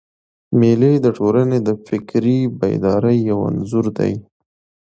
مېلې د ټولني د فکري بیدارۍ یو انځور دئ.